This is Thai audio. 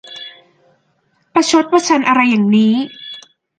ประชดประชันอะไรอย่างนี้ !